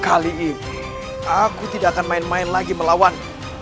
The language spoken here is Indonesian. kali ini aku tidak akan main main lagi melawan